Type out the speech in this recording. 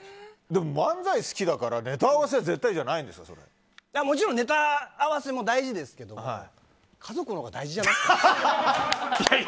でも漫才好きだからネタ合わせもちろんネタ合わせも大事ですけど家族のほうが大事じゃないですか。